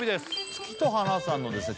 月と花さんのですね